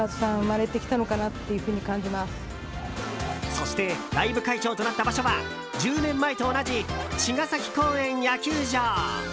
そしてライブ会場となった場所は１０年前と同じ茅ヶ崎公園野球場。